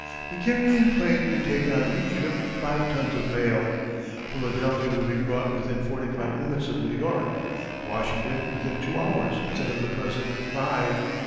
The carrying plane could take on each trip five tons of mail. Philadelphia would be brought within forty five minutes of New York; Washington within two hours instead of the present five.